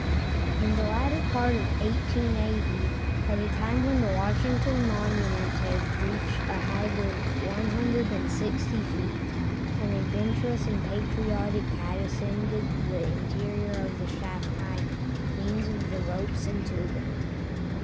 In the latter part of 1880, at a time when the Washington monument had reached a height of 160 feet, an adventurous and patriotic cat ascended the interior of the shaft by means of the ropes and tubing.